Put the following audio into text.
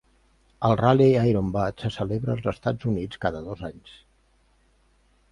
El Rally Iron Butt se celebra als Estats Units cada dos anys.